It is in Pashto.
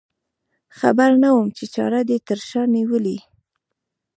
خبر نه وم چې چاړه دې تر شا نیولې.